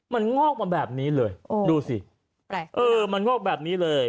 มันงอกมาแบบนี้เลยดูสิแปลกเออมันงอกแบบนี้เลย